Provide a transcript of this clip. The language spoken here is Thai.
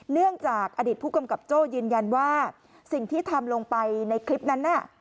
เนื่องจากอดีตผู้กำกับโจ้ยืนยันว่าสิ่งที่ทำลงไปในคลิปนั้นน่ะ